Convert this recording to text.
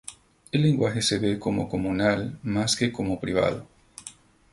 El lenguaje se ve como comunal más que como privado.